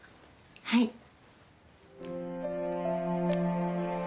はい。